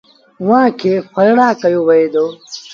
اُئآݩ کي ڦرڙآ ڪهيو وهي دو۔